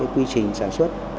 quy trình sản xuất